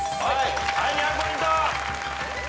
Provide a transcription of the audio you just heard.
はい２００ポイント！